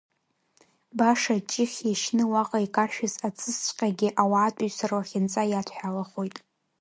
Баша аҷыхь иашьны уаҟа икаршәыз аҵысҵәҟьагьы, ауаатәыҩса рлахьынҵа иадҳәалахоит.